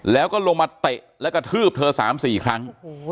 แล้วก็ลงมาเตะแล้วกระทืบเธอสามสี่ครั้ง